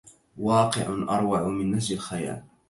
واقع أروع من نسج الخيال